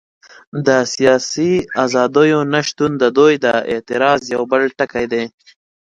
د سیاسي ازادیو نه شتون د دوی د اعتراض یو بل ټکی دی.